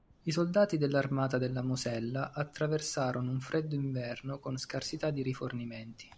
I soldati dell'Armata della Mosella attraversarono un freddo inverno, con scarsità di rifornimenti.